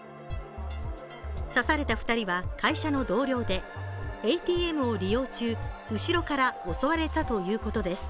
刺された２人は会社の同僚でＡＴＭを利用中、後ろから襲われたということです。